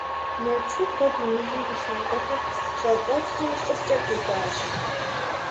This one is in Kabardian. Нарчу куэд имыжу и лъакъуэхэр щӀэцӀэфтри щӀыбкӀэ техуащ.